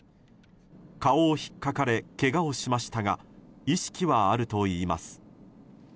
顔をひっかかれけがをしましたが意識はあるといいます。